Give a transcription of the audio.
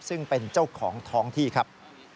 ซึ่งเป็นเจ้าของท้องที่ครับ